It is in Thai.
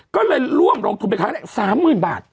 ก็เลยร่วมลงทุนไปครั้งแรก๓๐๐๐บาท